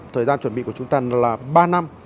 thời gian chuẩn bị của chúng ta là ba năm